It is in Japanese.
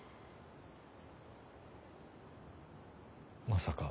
まさか。